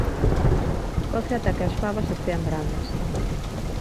Coce ata que as fabas estean brandas.